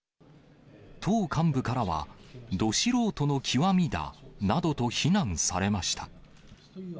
党幹部からは、ど素人の極みだなどと非難されました。